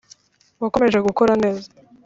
wakomeje gukora neza,